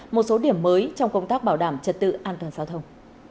một số điểm mới trong công tác bảo đảm trật tự an toàn giao thông